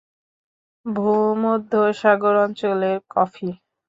ভূমধ্যসাগর অঞ্চলের কফি।